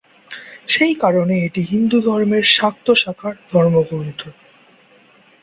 সেই কারণে এটি হিন্দুধর্মের শাক্ত শাখার ধর্মগ্রন্থ।